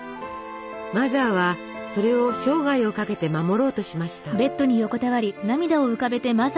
マザーはそれを生涯をかけて守ろうとしました。